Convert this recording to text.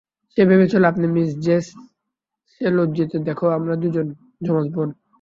সে ভেবেছিল আপনি Miss Jess সে লজ্জিত দেখো আমরা দুজন যমজ বোন।